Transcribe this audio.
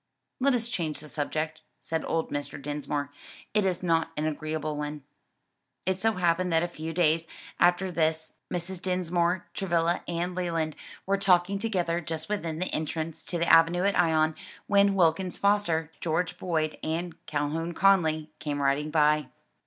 "Let us change the subject," said old Mr. Dinsmore, "it is not an agreeable one." It so happened that a few days after this Messrs. Dinsmore, Travilla and Leland were talking together just within the entrance to the avenue at Ion when Wilkins Foster, George Boyd and Calhoun Conly came riding by.